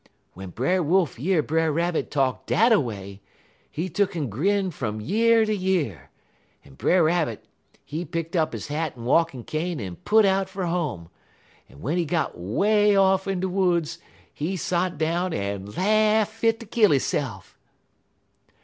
' "W'en Brer Wolf year Brer Rabbit talk dat a way, he tuck'n grin fum year ter year, en Brer Rabbit, he picked up his hat en walkin' cane en put out fer home, en w'en he got 'way off in de woods he sot down en laugh fit ter kill hisse'f."